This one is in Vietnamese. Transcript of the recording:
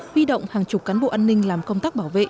huy động hàng chục cán bộ an ninh làm công tác bảo vệ